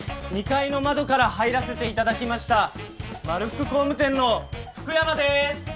２階の窓から入らせていただきましたまるふく工務店の福山です。